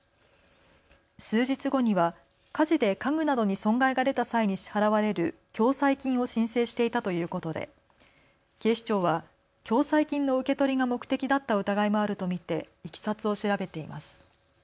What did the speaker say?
数日後には火事で家具などに損害が出た際に支払われる共済金を申請していたということで警視庁は共済金の受け取りが目的だった疑いもあると見ていきさつを調べています。